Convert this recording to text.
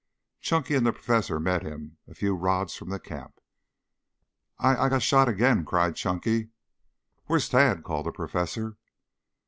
Chunky and the professor met him a few rods from the camp. "I I got shot again!" cried Chunky. "Where is Tad?" called the professor.